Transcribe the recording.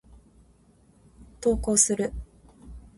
投稿する。